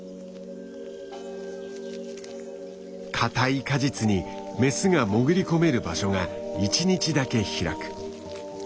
硬い果実にメスが潜り込める場所が一日だけ開く。